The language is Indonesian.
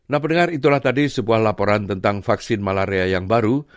nah pendengar itulah tadi sebuah laporan tentang vaksin malarea yang baru